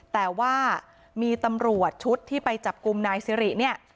แต่ว่ามีตำรวจชุดที่ไปจับกลุ่มนายสิริเนี่ย